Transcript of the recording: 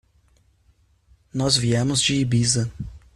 Nós viemos de Ibiza.